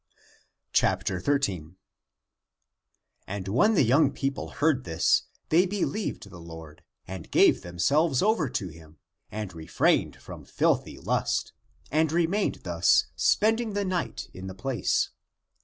13. And when the young people heard this, they believed the Lord and gave themselves over to him, and refrained from filthy lust, and remained thus spending the night in the place.